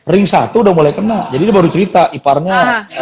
ring satu udah mulai kena jadi dia baru cerita iparnya